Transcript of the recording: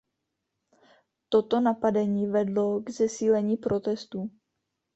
Toto napadení vedlo k zesílení protestů.